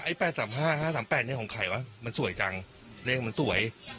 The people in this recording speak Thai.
๘๓๕๕๓๘เนี่ยของใครวะมันสวยจังเลขมันสวย